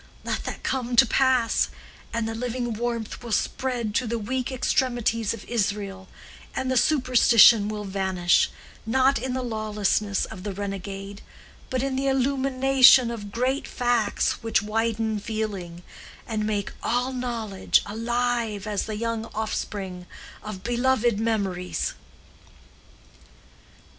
Let that come to pass, and the living warmth will spread to the weak extremities of Israel, and superstition will vanish, not in the lawlessness of the renegade, but in the illumination of great facts which widen feeling, and make all knowledge alive as the young offspring of beloved memories."